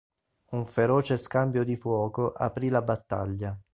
Un feroce scambio di fuoco aprì la battaglia.